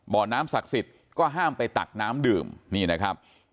บ่อน้ำศักดิ์สิทธิ์ก็ห้ามไปตักน้ำดื่มนี่นะครับ